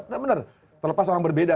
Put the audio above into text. terlepas orang berbeda